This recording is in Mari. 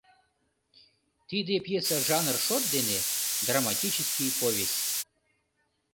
Тиде пьеса жанр шот дене — драматический повесть.